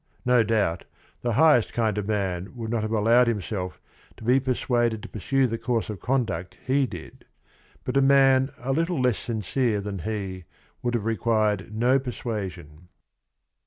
No doubt the highest kind of man would not have allowed himself to be persuaded to pursue the course of conduct he did, but a man a little less sincere than he would have required no persuasion.